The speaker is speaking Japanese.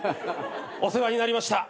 お世話になりました。